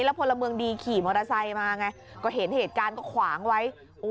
พลเมืองดีขี่มอเตอร์ไซค์มาไงก็เห็นเหตุการณ์ก็ขวางไว้